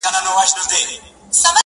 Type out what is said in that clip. دي مــــړ ســي.